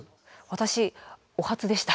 私お初でした。